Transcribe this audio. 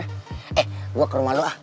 eh gue ke rumah lu ah